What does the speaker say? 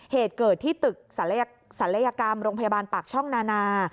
เหตุเกิดที่ตึกศัลยกรรมโรงพยาบาลปากช่องนานา